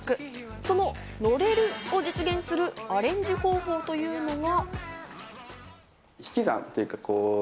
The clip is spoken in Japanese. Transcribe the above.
その、のれるを実現するアレンジ方法というのが。